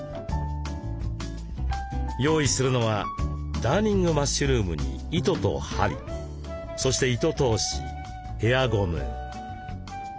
用意するのはダーニングマッシュルームに糸と針そして糸通しヘアゴム。